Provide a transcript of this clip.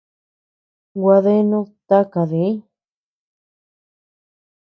Gua deanud taka diñ.